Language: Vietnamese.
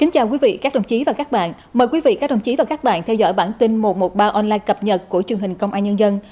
chào mừng quý vị đến với bản tin một trăm một mươi ba online cập nhật của truyền hình công an nhân dân